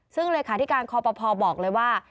ซึ่งเลขาธิการคอปภบอกเลยว่า